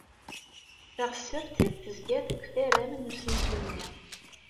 Taɣsert tezga-d deg utaram n usensu-nni.